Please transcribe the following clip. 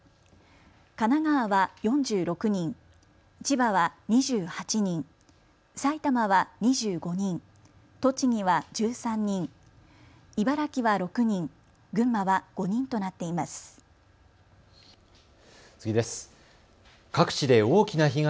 神奈川は４６人、千葉は２８人、埼玉は２５人、栃木は１３人、茨城は６人、群馬は５人となっています。